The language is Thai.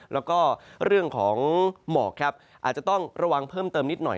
แล้วก็เรื่องของหมอกครับอาจจะต้องระวังเพิ่มเติมนิดหน่อย